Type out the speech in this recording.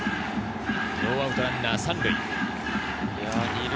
ノーアウトランナー３塁。